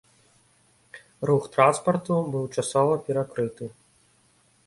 Рух транспарту быў часова перакрыты.